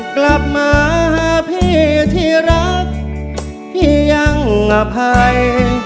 กลับมาหาพี่ที่รักพี่ยังอภัย